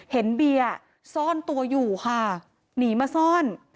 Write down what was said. เบียร์ซ่อนตัวอยู่ค่ะหนีมาซ่อน